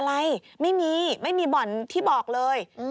อะไรไม่มีไม่มีบ่อนที่บอกเลย